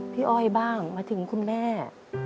อ้อยบ้างมาถึงคุณแม่